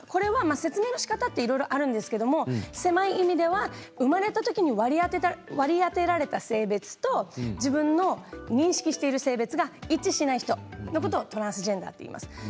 説明のしかたはいろいろあるんですけど、狭い意味では生まれたときに割り当てられた性別と自分の認識している性別が一致しない人のことをトランスジェンダーといいます。